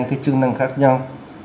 nó có chương trình khác nhau